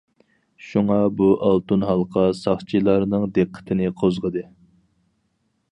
شۇڭا بۇ ئالتۇن ھالقا ساقچىلارنىڭ دىققىتىنى قوزغىدى.